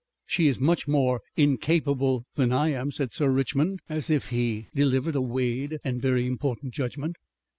"She is much more incapable than I am," said Sir Richmond as if he delivered a weighed and very important judgment.